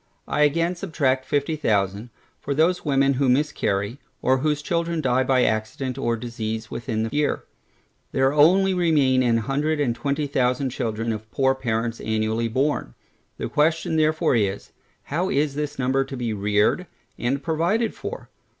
I again subtract fifty thousand, for those women who miscarry, or whose children die by accident or disease within the year. There only remain a hundred and twenty thousand children of poor parents annually born. The question therefore is, How this number shall be reared and provided for?